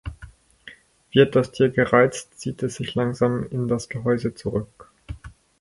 Wird das Tier gereizt, zieht es sich langsam in das Gehäuse zurück.